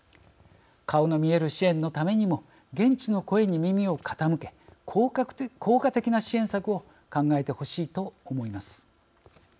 顔の見える支援のためにも現地の声に耳を傾け効果的な支援策を考えてほしいと思います。